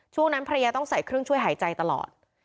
นั้นภรรยาต้องใส่เครื่องช่วยหายใจตลอด